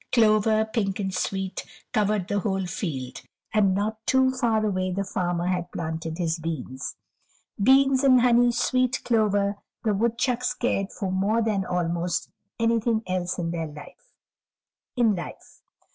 Clover, pink and sweet, covered the whole field, and not too far away the farmer had planted his beans. Beans and honey sweet clover the woodchucks cared for more than almost anything else in life.